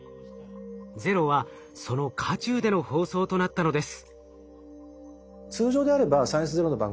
「ＺＥＲＯ」はその渦中での放送となったのです。